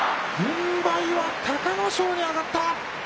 軍配は隆の勝に上がった。